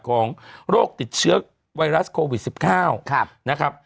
ของโรคติดเชื้อไวรัสโควิด๑๙นะครับ